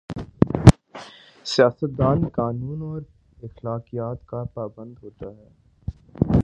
سیاست دان قانون اور اخلاقیات کا پابند ہو تا ہے۔